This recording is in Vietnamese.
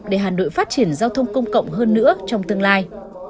để hà nội phát triển giao thông công cộng hơn nữa trong tương lai